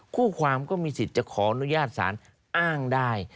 คู่ความก็มีสิทธิ์จะขออนุญาตสารอ้างได้